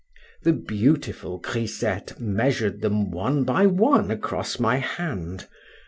The beautiful grisette measured them one by one across my hand.